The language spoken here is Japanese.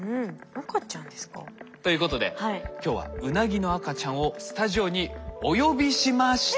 赤ちゃんですか？ということで今日はウナギの赤ちゃんをスタジオにお呼びしました。